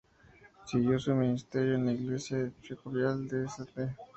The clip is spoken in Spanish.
Siguió su ministerio en la iglesia episcopal de St.